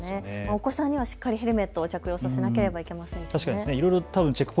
お子さんにはしっかりヘルメットを着用させなければいけませんね。